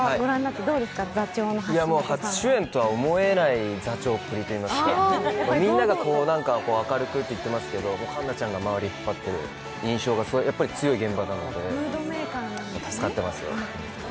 初主演とは思えない座長っぷりといいますか、みんなが明るくって言ってますけど環奈ちゃんが周りを引っ張っている印象が強い現場なので助かってます。